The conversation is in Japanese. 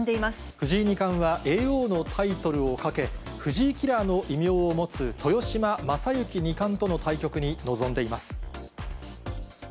藤井二冠は叡王のタイトルをかけ、藤井キラーの異名も持つ、豊島将之二冠との対局に臨んでいます。